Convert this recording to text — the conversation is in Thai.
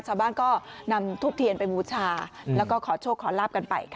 ชาวบ้านก็นำทูบเทียนไปบูชาแล้วก็ขอโชคขอลาบกันไปค่ะ